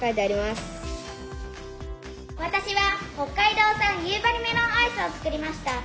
私は北海道産夕張メロンアイスを作りました。